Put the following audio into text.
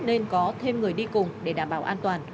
nếu tiền lớn nên có thêm người đi cùng để đảm bảo an toàn